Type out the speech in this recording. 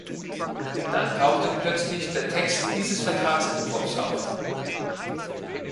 Dann tauchte plötzlich der Text dieses Vertragsentwurfs auf.